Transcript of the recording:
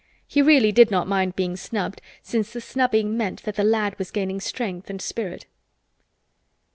He really did not mind being snubbed since the snubbing meant that the lad was gaining strength and spirit.